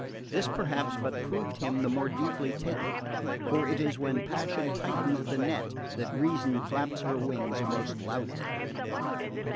This perhaps but proved him the more deeply taken; for it is when passion tightens the net that reason flaps her wings most loudly.